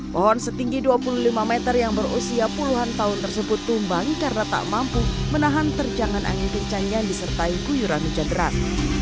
pohon setinggi dua puluh lima meter yang berusia puluhan tahun tersebut tumbang karena tak mampu menahan terjangan angin kencang yang disertai guyuran hujan deras